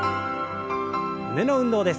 胸の運動です。